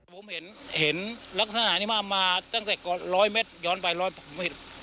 ผมเห็นลักษณะนี้มาตั้งแต่ก่อน๑๐๐เมตรย้อนไป๑๐๐เมตร